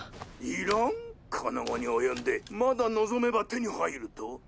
この期に及んでまだ望めば手に入ると！？